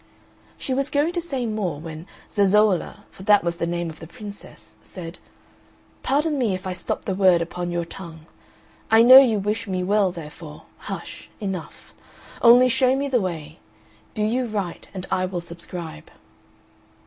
She was going to say more, when Zezolla, for that was the name of the Princess, said, "Pardon me if I stop the word upon your tongue. I know you wish me well, therefore, hush enough. Only show me the way. Do you write and I will subscribe."